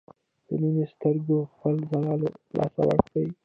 د مينې سترګو خپله ځلا له لاسه ورکړې وه